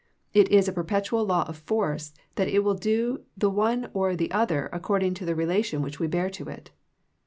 It is a perpetual law of force that It will do the one or the other accordino to the relation which we bear to it.